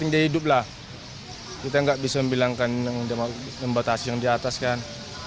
ya hiduplah kita nggak bisa bilangkan membatasi yang di atas kan